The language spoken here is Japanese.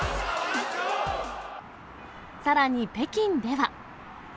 さらに北京では。